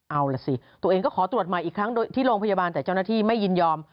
เอาล่ะสิตัวเองก็ขอตรวจใหม่อีกครั้งโดยที่โรงพยาบาลแต่เจ้าหน้าที่ไม่ยินยอม